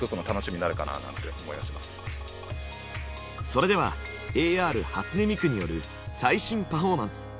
それではＡＲ初音ミクによる最新パフォーマンス。